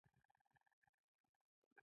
زه باید د سفر له نویو تجربو زده کړه وکړم.